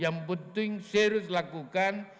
yang penting serius lakukan